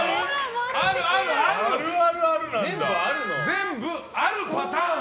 全部あるパターン！